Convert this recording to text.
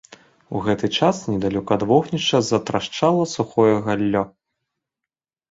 У гэты час недалёка ад вогнішча затрашчала сухое галлё.